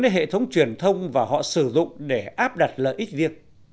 đến hệ thống truyền thông và họ sử dụng để áp đặt lợi ích riêng